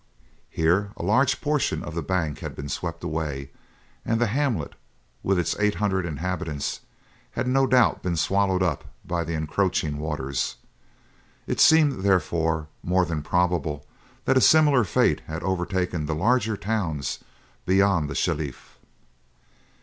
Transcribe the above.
Here a large portion of the bank had been swept away, and the hamlet, with its eight hundred inhabitants, had no doubt been swallowed up by the encroaching waters. It seemed, therefore, more than probable that a similar fate had overtaken the larger towns beyond the Shelif.